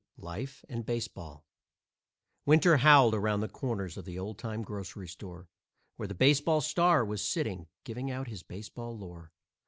LIFE AND BASEBALL Winter howled around the corners of the old time grocery store, Where the baseball star was sitting, giving out his baseball lore.